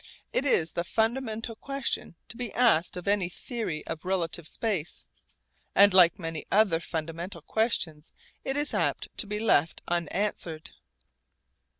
It is the fundamental question to be asked of any theory of relative space, and like many other fundamental questions it is apt to be left unanswered.